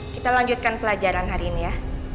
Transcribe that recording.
kita lanjutkan ke kejadiannya